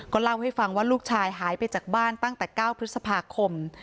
เล่าให้ฟังว่าลูกชายหายไปจากบ้านตั้งแต่๙พฤษภาคม